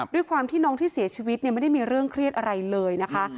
ด้วยความที่น้องที่เสียชีวิตไม่ได้มีเรื่องเครียดอะไรเลยนะคะ